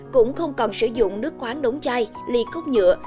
cũng không còn sử dụng nước khoáng đống chai ly khúc nhựa